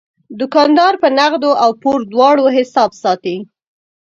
دوکاندار په نغدو او پور دواړو حساب ساتي.